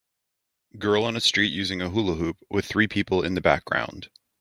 Girl on a street using a hula hoop, with three people in the background.